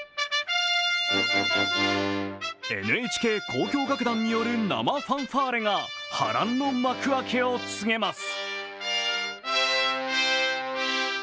ＮＨＫ交響楽団による生ファンファーレが波乱の幕開けを告げます。